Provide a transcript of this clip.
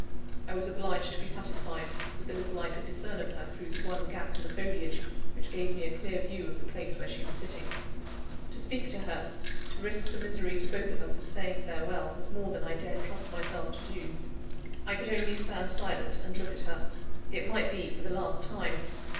I was obliged to be satisfied with the little I could discern of her, through the one gap in the foliage which gave me a clear view of the place where she was sitting. To speak to her, to risk the misery to both of us of saying farewell, was more than I dared trust myself to do. I could only stand silent, and look at her it might be for the last time!